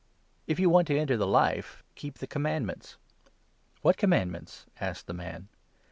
If you want to enter the Life, keep the commandments." "What commandments ?" asked the man.